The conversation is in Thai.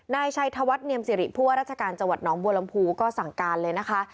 นายชัยธวัฒน์เนียมสิริผู้ว่าราชการจังหวัดน้องบัวลำพูก็สั่งการเลยนะคะ